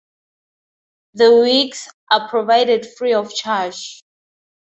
The wigs are provided free of charge.